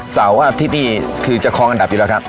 สาวอาทิตย์คือจะคออันดับอยู่แล้วครับ